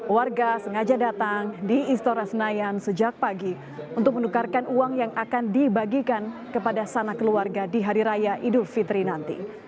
warga sengaja datang di istora senayan sejak pagi untuk menukarkan uang yang akan dibagikan kepada sana keluarga di hari raya idul fitri nanti